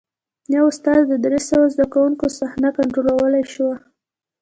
یوه استاد د درې سوه زده کوونکو صحنه کنټرولولی شوه.